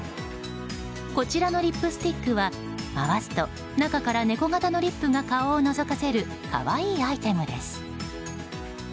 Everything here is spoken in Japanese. こちらのリップスティックは回すと中から猫型のリップが顔をのぞかせる可愛いアイテムです。